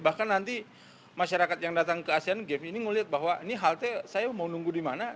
bahkan nanti masyarakat yang datang ke asean games ini melihat bahwa ini halte saya mau nunggu di mana